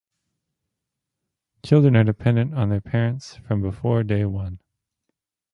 Children are dependent of their parents from before day one.